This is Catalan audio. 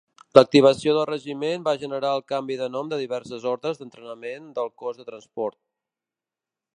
L'activació del regiment va generar el canvi de nom de diverses ordres d'entrenament del Cos de Transport.